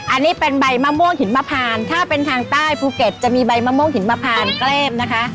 อันนี้เป็นใบมะม่วงหินมะพานถ้าเป็นทางใต้ภูเก็ตจะมีใบมะม่วงหินมะพานแกล้มนะคะ